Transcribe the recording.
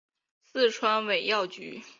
四川尾药菊